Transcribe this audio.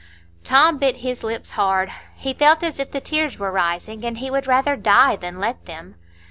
Tom bit his lips hard; he felt as if the tears were rising, and he would rather die than let them.